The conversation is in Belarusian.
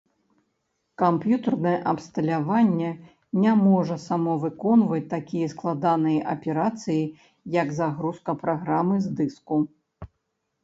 Камп'ютарнае абсталявання не можа само выконваць такія складаныя аперацыі, як загрузка праграмы з дыску.